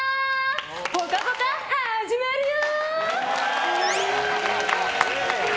「ぽかぽか」始まるよ！